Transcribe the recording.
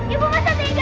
ibu masa tinggal